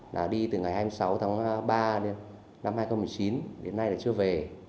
là đi từ ngày hai mươi sáu tháng ba đến năm hai nghìn một mươi chín đến nay là chưa về